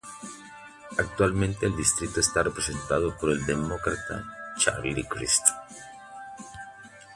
Actualmente el distrito está representado por el Demócrata Charlie Crist.